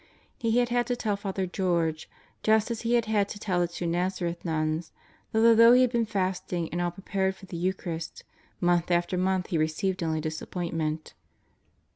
He had had to tell Father George just as he had had to tell the two Nazareth nuns that although he had been fasting and all prepared for the Eucharist, month after month he received only disappointment.